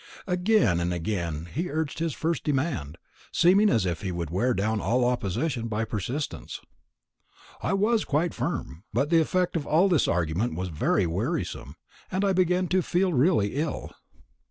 "Again and again he urged his first demand, seeming as if he would wear down all opposition by persistence. I was quite firm; but the effect of all this argument was very wearisome, and I began to feel really ill.